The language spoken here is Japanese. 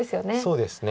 そうですね。